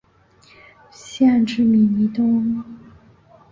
县治米尼奥拉。